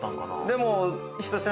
でも。